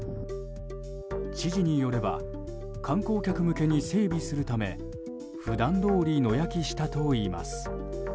知事によれば観光客向けに整備するため普段どおり野焼きしたといいます。